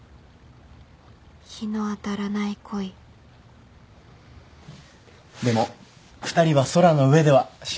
日の当たらない恋でも２人は空の上では幸せかもしれない。